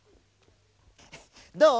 どう？